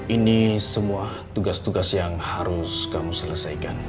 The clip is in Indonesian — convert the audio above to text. ini semua tugas tugas yang harus kamu selesaikan